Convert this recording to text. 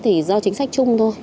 thì do chính sách chung thôi